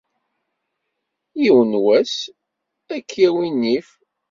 Yiwen n wass, ad k-yawi nnif.